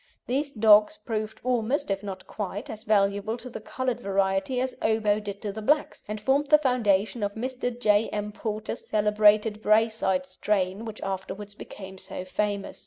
These dogs proved almost, if not quite, as valuable to the coloured variety as Obo did to the blacks, and formed the foundation of Mr. J. M. Porter's celebrated Braeside strain which afterwards became so famous.